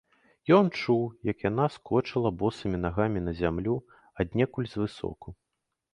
Ён чуў, як яна скочыла босымі нагамі па зямлю аднекуль звысоку.